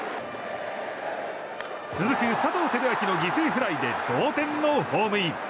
続く佐藤輝明の犠牲フライで同点のホームイン。